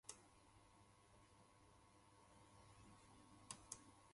これ、いくらですか